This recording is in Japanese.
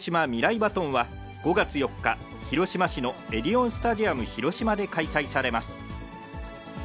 バトンは５月４日、広島市のエディオンスタジアム広島で開催されます。